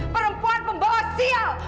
perempuan pembawa sial